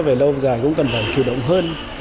về lâu dài cũng cần phải chủ động hơn